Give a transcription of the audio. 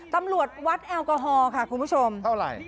ตำรวจวัดแอลกอฮอล์ค่ะคุณผู้ชมเท่าไหร่